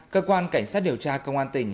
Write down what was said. cơ quan cảnh sát điều tra công an tỉnh